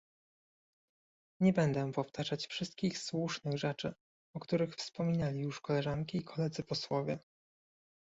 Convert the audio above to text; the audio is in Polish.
Nie będę powtarzać wszystkich słusznych rzeczy, o których wspominali już koleżanki i koledzy posłowie